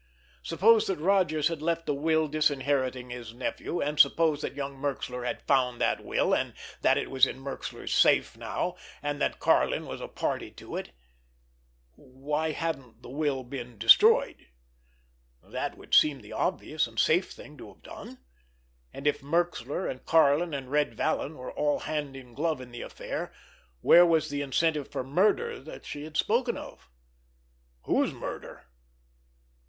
Suppose that Rodgers had left a will disinheriting his nephew, and suppose that young Merxler had found that will and that it was in Merxler's safe now, and that Karlin was a party to it—why hadn't the will been destroyed? That would seem the obvious and safe thing to have done! And if Merxler and Karlin and Red Vallon were all hand in glove in the affair, where was the incentive for murder that she had spoken of? Whose murder?